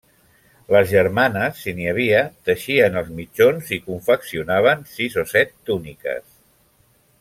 Les germanes, si n'hi havia, teixien els mitjons i confeccionaven sis o set túniques.